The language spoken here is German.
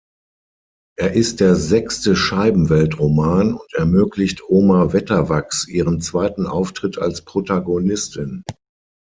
Er ist der sechste Scheibenwelt-Roman und ermöglicht Oma Wetterwachs ihren zweiten Auftritt als Protagonistin.